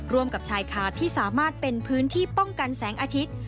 กับชายคาที่สามารถเป็นพื้นที่ป้องกันแสงอาทิตย์